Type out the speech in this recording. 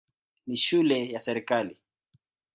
Ni shule ya serikali.